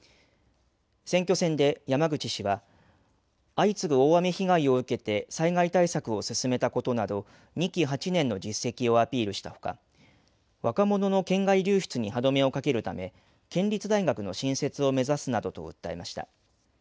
選挙戦で山口氏は相次ぐ大雨被害を受けて災害対策を進めたことなど２期８年の実績をアピールしたほか若者の県外流出に歯止めをかけるため県立大学の新設を目指すなどと訴えました。